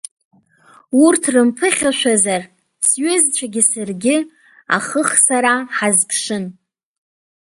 Урҭ рымԥыхьашәазар, сҩызцәагьы саргьы ахыхсара ҳазԥшын.